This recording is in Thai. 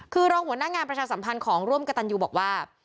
คือรองหัวหน้างานประชาสัมพันธ์ของร่วมกระตันยูบอกว่า